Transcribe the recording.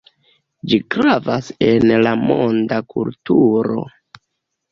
Ĝi gravas en la monda kulturo.